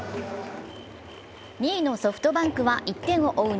２位のソフトバンクは１点を追う